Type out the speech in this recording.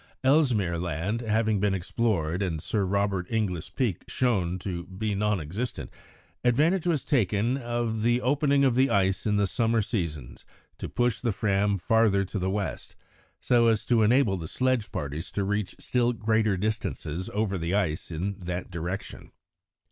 Ellesmere Land having been explored and Sir Robert Inglis Peak shown to be non existent, advantage was taken of the opening of the ice in the summer seasons to push the Fram farther to the west, so as to enable the sledge parties to reach still greater distances over the ice in that direction.